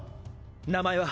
名前は？